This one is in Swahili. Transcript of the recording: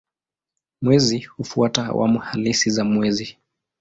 Mwezi hufuata awamu halisi za mwezi.